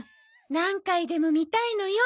何回でも見たいのよ。